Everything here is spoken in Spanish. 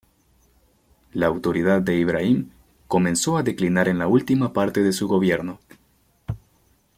La autoridad de Ibrahim comenzó a declinar en la última parte de su gobierno.